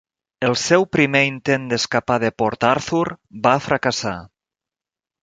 El seu primer intent d'escapar de Port Arthur va fracassar.